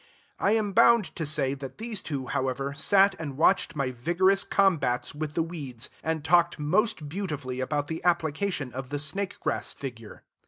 I am bound to say that these two, however, sat and watched my vigorous combats with the weeds, and talked most beautifully about the application of the snake grass figure.